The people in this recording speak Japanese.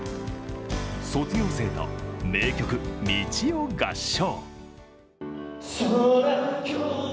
卒業生と、名曲「道」を合唱。